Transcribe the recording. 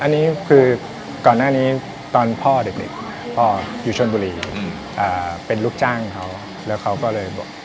อันนี้คือก่อนหน้านี้ตอนพ่อเด็กพ่ออยู่ชนบุรีเป็นลูกจ้างเขาแล้วเขาก็เลยบอก